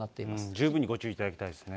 十分にご注意いただきたいですね。